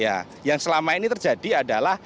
ya yang selama ini terjadi adalah